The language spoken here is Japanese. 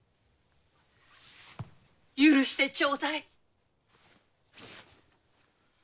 許してちょうだい。